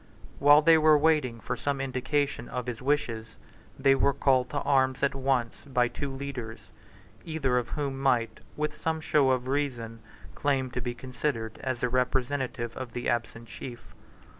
While they were waiting for some indication of his wishes, they were called to arms at once by two leaders, either of whom might, with some show of reason, claim to be considered as the representative of the absent chief.